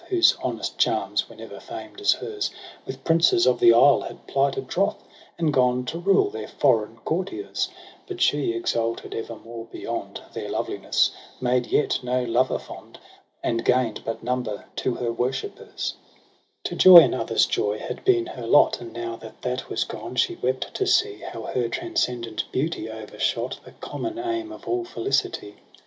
Whose honest charms were never femed as hers, With princes of the isle had plighted troth, And gone to rule their foreign courtiers • But she, exalted evermore beyond Their loveliness, made yet no lover fond. And gain'd but number to her worshippers. APRIL 87 3 To joy in others' joy had been her lot. And now that that was gone she wept to see How her transcendent beauty overshot The common aim of all felicity.